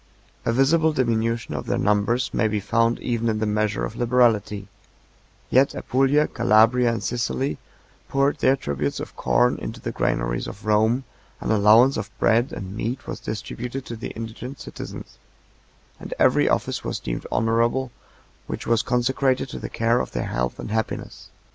A visible diminution of their numbers may be found even in the measure of liberality; 59 yet Apulia, Calabria, and Sicily, poured their tribute of corn into the granaries of Rome; an allowance of bread and meat was distributed to the indigent citizens; and every office was deemed honorable which was consecrated to the care of their health and happiness.